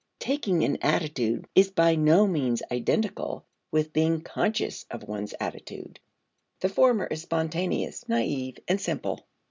Taking an attitude is by no means identical with being conscious of one's attitude. The former is spontaneous, naive, and simple.